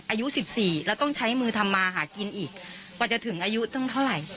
อายุ๑๔แล้วต้องใช้มือทำมาหากินอีกกว่าจะถึงอายุตั้งเท่าไหร่